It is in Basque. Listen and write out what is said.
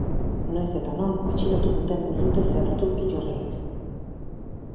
Noiz eta non atxilotu duten ez dute zehaztu iturriek.